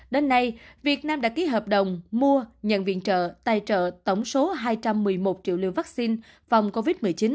đến nay việt nam đã ký hợp đồng mua nhận viện trợ tài trợ tổng số hai trăm một mươi một triệu liều vaccine phòng covid một mươi chín